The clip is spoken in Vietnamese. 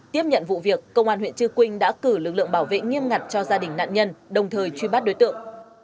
tiếp nhận vụ việc công an huyện trư quynh đã cử lực lượng bảo vệ nghiêm ngặt cho gia đình nạn nhân đồng thời truy bắt đối tượng